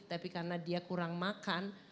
tapi karena dia kurang makan